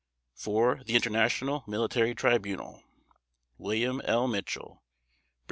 FOR THE INTERNATIONAL MILITARY TRIBUNAL: /s/ WILLIAM L. MITCHELL Brig.